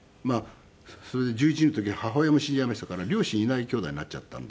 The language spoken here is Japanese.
それで１１の時母親も死んじゃいましたから両親いない兄弟になっちゃったんで。